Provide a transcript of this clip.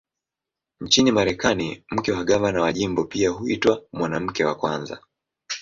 Nchini Marekani, mke wa gavana wa jimbo pia huitwa "Mwanamke wa Kwanza".